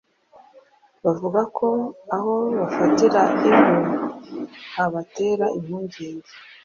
bavuga ko aho bafatira inkwi habatera impungenge